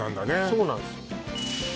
そうなんですよ